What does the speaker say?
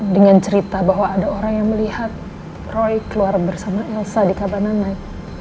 dengan cerita bahwa ada orang yang melihat roy keluar bersama elsa di kabanan naik